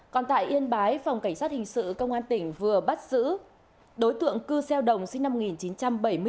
còn tại yên bái phòng cảnh sát hình sự công an tỉnh vừa bắt giữ đối tượng cư xeo đồng sinh năm một nghìn chín trăm bảy mươi bốn